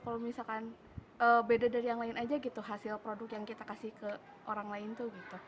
kalau misalkan beda dari yang lain aja gitu hasil produk yang kita kasih ke orang lain tuh gitu